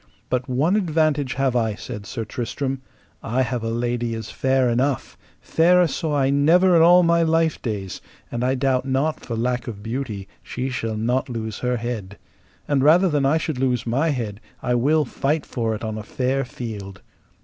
But one advantage have I, said Sir Tristram, I have a lady is fair enough, fairer saw I never in all my life days, and I doubt not for lack of beauty she shall not lose her head; and rather than I should lose my head I will fight for it on a fair field.